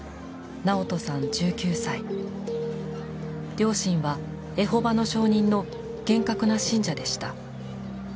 両親はエホバの証人の厳格な信者でした。